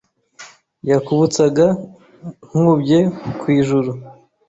Yakubutsaga Nkubye ku ijuru